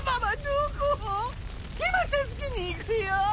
今助けに行くよ！